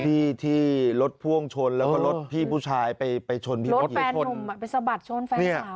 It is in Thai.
ที่ที่รถพ่วงชนแล้วก็รถพี่ผู้ชายไปไปชนรถแฟนหนุ่มไปสะบัดชนแฟนสาว